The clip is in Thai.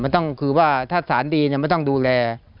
ถ้าสารมันดีแล้วไม่ต้องดูแล